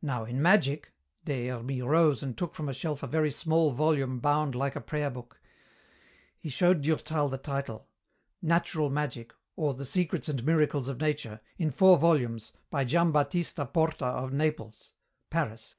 "Now in magic," Des Hermies rose and took from a shelf a very small volume bound like a prayer book. He showed Durtal the title: _Natural magic, or: The secrets and miracles of nature, in four volumes, by Giambattista Porta of Naples. Paris.